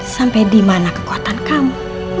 sampai di mana kekuatan kamu